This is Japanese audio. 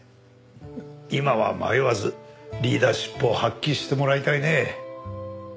今は迷わずリーダーシップを発揮してもらいたいね。